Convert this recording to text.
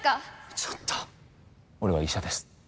ちょっと俺は医者です